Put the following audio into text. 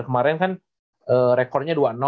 kemarin kan rekornya dua